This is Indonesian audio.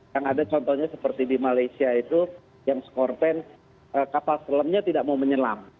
yang ada contohnya seperti di malaysia itu yang skorpen kapal selamnya tidak mau menyelam